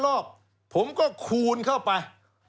รอบผมก็คูณเข้าไป